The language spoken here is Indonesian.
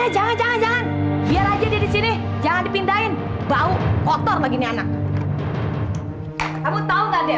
jangan jangan jangan biar aja dia disini jangan dipindahin bau kotor begini anak kamu tahu